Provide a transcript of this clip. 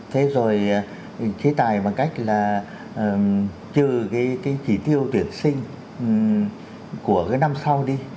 thế rồi chế tài bằng cách là trừ cái chỉ tiêu tuyển sinh của cái năm sau đi